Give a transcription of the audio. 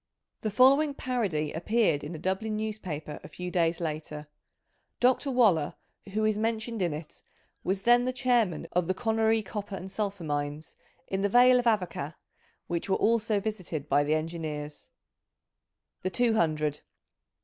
37 The following parody appeared in a Dublin newspaper a few days later. Dr. Waller, who is mentioned in it, was then the Chairman of the Connoree Copper and Sulphur Mines, in' the Vale of Avoca, which were also visited by the Engineers. The Two Hundred.